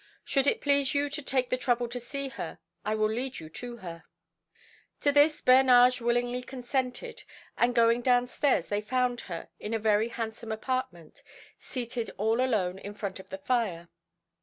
Should it please you to take the trouble to see her, I will lead you to her." To this Bernage willingly consented, and going downstairs they found her in a very handsome apartment, seated all alone in front of the fire.